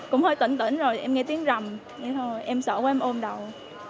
cũng hơi tỉnh tỉnh rồi em nghe tiếng rầm em sợ quá em ôm đầu